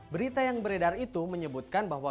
berita yang beredar itu menyebutkan bahwa